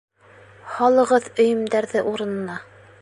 Һалығыҙ өйөмдәрҙе урынына!